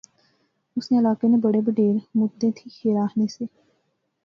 اس نے علاقے نے بڑے بڈھیر مدتیں تھیں شعر آخنے سے